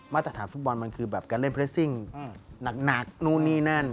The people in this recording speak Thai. มาฐักษาฟุตบอลมันคือการเล่นเพลสซิงหนักนู้นนี่นั่น